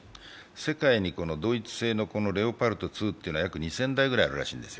世界にドイツ製のレオパルト２というのは約２０００台くらいあるらしいんですよ。